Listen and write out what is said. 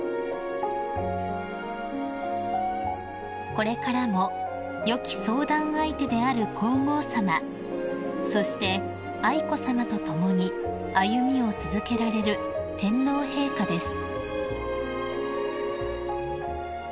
［これからも良き相談相手である皇后さまそして愛子さまと共に歩みを続けられる天皇陛下です］